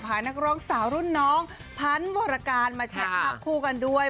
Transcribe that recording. ภายนักร่องสาวรุ่นน้องพันธุ์บริการมาแชคพักคู่กันด้วย